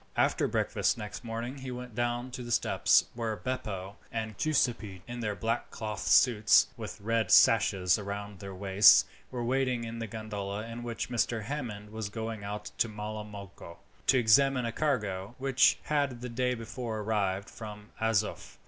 After breakfast next morning he went down to the steps, where Beppo and Giuseppi, in their black cloth suits with red sashes round their waists, were waiting with the gondola in which Mr. Hammond was going out to Malamocco, to examine a cargo which had the day before arrived from Azoph.